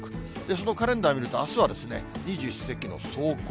そのカレンダー見ると、あすはですね、二十四節気の霜降。